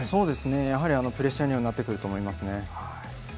やはりプレッシャーにはなってくると思いますね。